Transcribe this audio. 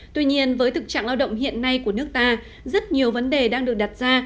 tuy nhiên với thực trạng lao động hiện nay của nước ta rất nhiều vấn đề đang được đặt ra